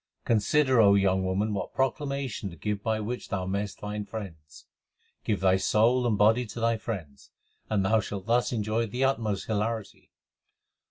Consider, O young woman, what proclamation to give by which thou mayest find friends. Give thy soul and body to thy friends, and thou shalt thus enjoy the utmost hilarity.